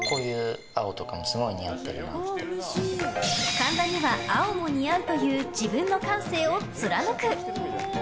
神田には青も似合うという自分の感性を貫く！